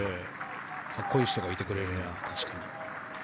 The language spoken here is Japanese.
かっこいい人がいてくれるのは。